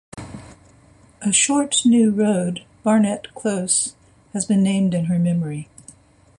A short new road, Barnett Close, has been named in her memory.